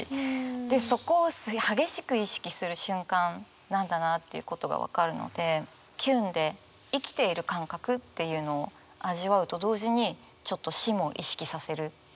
でそこを激しく意識する瞬間なんだなっていうことが分かるのでキュンで生きている感覚っていうのを味わうと同時にちょっと死も意識させるっていうぐらいの。